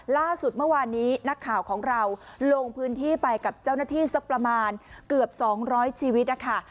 ล่าสุดเมื่อวานนี้นักข่าวของเราลงพื้นที่ไปกับเจ้าหน้าที่สักประมาณเกือบ๒๐๐ชีวิตนะคะ